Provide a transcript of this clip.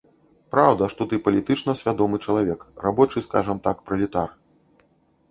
Праўда, што ты палітычна свядомы чалавек, рабочы, скажам так, пралетар.